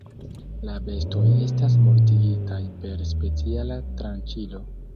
La bestoj estas mortigitaj per speciala tranĉilo.